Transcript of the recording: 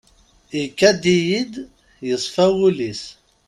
Ikad-iyi-d yeṣfa wul-is.